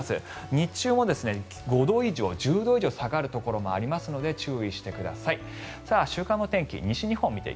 日中も５度以上、１０度以上下がるところもありますので注意してください。